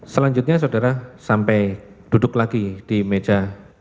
selanjutnya saudara sampai duduk lagi di meja lima puluh empat